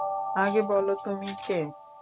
আগে বল তুমি কে?